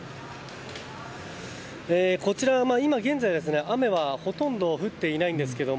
こちら今現在、雨はほとんど降っていないんですが